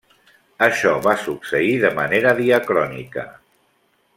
Això va succeir de manera diacrònica.